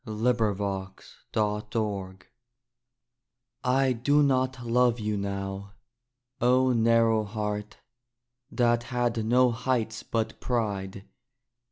THE END OF ALL I I do not love you now, O narrow heart, that had no heights but pride!